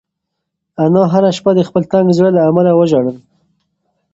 انا هره شپه د خپل تنګ زړه له امله وژړل.